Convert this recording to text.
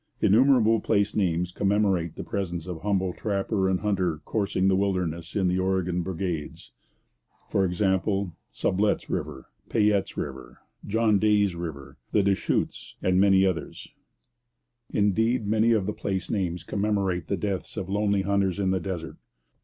Innumerable place names commemorate the presence of humble trapper and hunter coursing the wilderness in the Oregon brigades. For example: Sublette's River, Payette's River, John Day's River, the Des Chutes, and many others. Indeed, many of the place names commemorate the deaths of lonely hunters in the desert.